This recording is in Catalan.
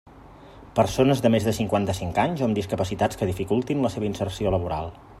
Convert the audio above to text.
Persones de més de cinquanta-cinc anys o amb discapacitats que dificultin la seva inserció laboral.